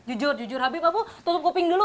jujur jujur habib abu tutup kuping dulu